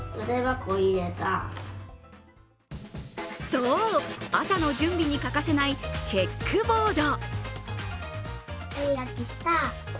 そう、朝の準備に欠かせないチェックボード。